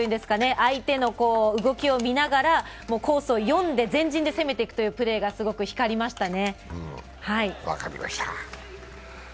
相手の動きを見ながらコースを読んで前陣で攻めていくというのがすごく光りましたね。